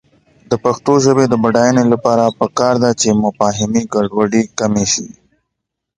د پښتو ژبې د بډاینې لپاره پکار ده چې مفاهمې ګډوډي کمې شي.